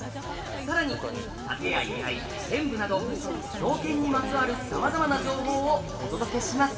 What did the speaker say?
さらに殺陣や居合剣舞など刀剣にまつわるさまざまな情報をお届けします！